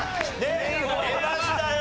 出ましたよ。